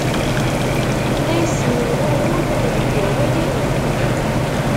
La ismenɣuɣud deg awal, irennu.